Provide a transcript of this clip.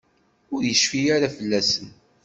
Ur yecfi ara fell-asen.